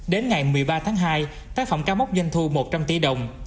đến ngày một mươi ba tháng hai tác phẩm cao mốc doanh thu một trăm linh tỷ đồng